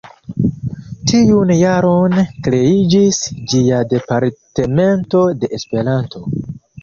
Tiun jaron kreiĝis ĝia Departemento de Esperanto.